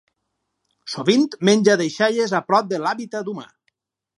Sovint menja deixalles a prop de l'hàbitat humà.